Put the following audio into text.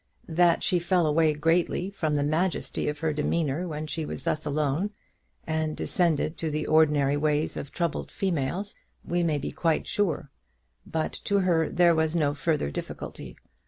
That she fell away greatly from the majesty of her demeanour when she was thus alone, and descended to the ordinary ways of troubled females, we may be quite sure. But to her there was no further difficulty.